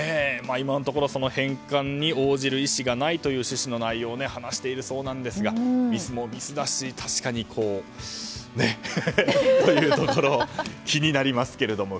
今のところ返金に応じる意思がないと話しているそうなんですがミスもミスだし確かにね。というところ気になりますけれども。